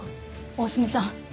大隅さん